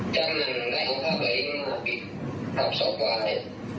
จังหว่าได้ของผ้าไหว้มาปิดทับสกวาย